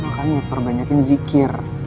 makanya perbanyakin zikir